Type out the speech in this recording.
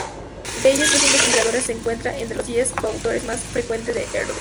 De ellos, tres investigadores se encuentran entre los diez co-autores más frecuentes de Erdős.